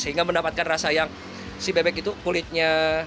sehingga mendapatkan rasa yang si bebek itu kulitnya